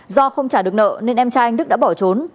do không trả được nợ nên em trai anh đức đã bỏ trốn